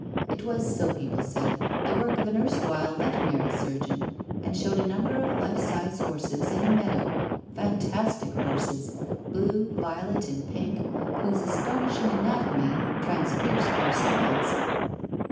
It was, so people said, the work of an erstwhile veterinary surgeon, and showed a number of life size horses in a meadow, fantastic horses, blue, violet, and pink, whose astonishing anatomy transpierced their sides.